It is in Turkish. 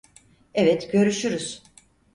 Evet, görüşürüz.